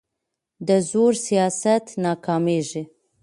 د زور سیاست ناکامېږي